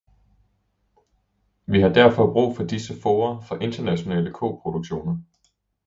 Vi har derfor brug for disse fora for internationale koproduktioner.